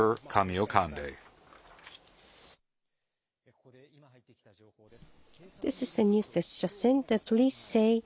ここで今入ってきた情報です。